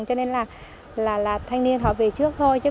cho nên là thanh niên họ về trước thôi